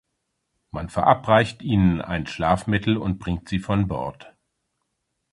Man verabreicht ihnen ein Schlafmittel und bringt sie von Bord.